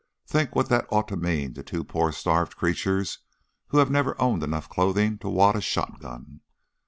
Think what that ought to mean to two poor starved creatures who have never owned enough clothing to wad a shotgun."